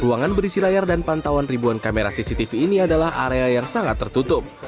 ruangan berisi layar dan pantauan ribuan kamera cctv ini adalah area yang sangat tertutup